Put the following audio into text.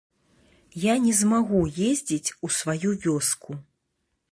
Я не змагу ездзіць у сваю вёску!